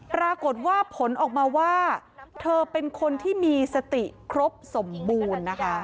ปรากฏว่าผลออกมาว่าเธอเป็นคนที่มีสติครบสมบูรณ์นะคะ